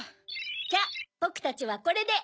じゃぼくたちはこれで。